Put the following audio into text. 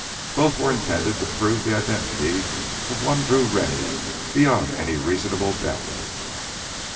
Both were intended to prove the identity of one Drew Rennie beyond any reasonable doubt.